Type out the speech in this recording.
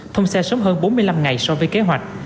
thông xe sớm hơn bốn mươi năm ngày so với kế hoạch